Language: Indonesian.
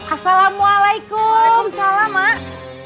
assalamualaikum waalaikumsalam mak